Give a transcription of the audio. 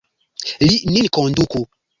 Li nin konduku!